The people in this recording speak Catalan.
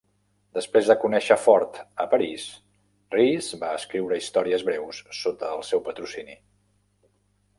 Després de conèixer Ford a París, Rhys va escriure històries breus sota el seu patrocini.